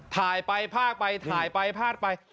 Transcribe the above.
ถ่ายไปพาดไปถ่ายไปพาดไป